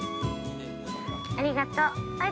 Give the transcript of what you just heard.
◆ありがとう。